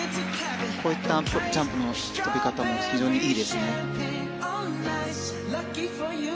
こういったジャンプの跳び方も非常にいいですね。